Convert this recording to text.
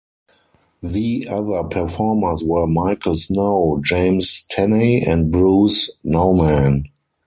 The other performers were Michael Snow, James Tenney and Bruce Nauman.